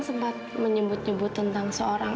sempat menyebut nyebut tentang seorang